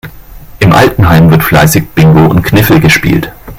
Im Altenheim wird fleißig Bingo und Kniffel gespielt.